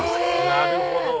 なるほど。